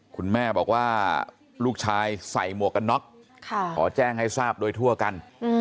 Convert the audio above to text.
คุณแม่บอกว่าลูกชายใส่หมวกกันน็อกขอแจ้งให้ทราบโดยทั่วกัน